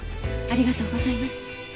ありがとうございます。